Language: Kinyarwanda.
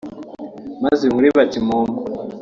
maze inkuru iba kimomo